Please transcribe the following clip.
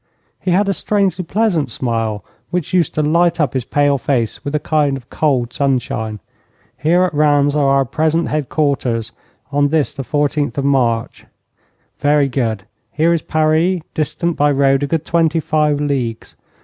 He had a strangely pleasant smile, which used to light up his pale face with a kind of cold sunshine. 'Here at Rheims are our present headquarters on this the 14th of March. Very good. Here is Paris, distant by road a good twenty five leagues.